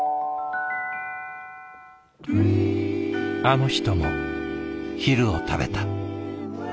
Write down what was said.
あの人も昼を食べた。